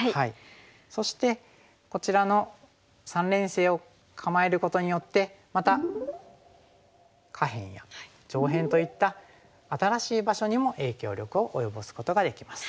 そしてこちらの三連星を構えることによってまた下辺や上辺といった新しい場所にも影響力を及ぼすことができます。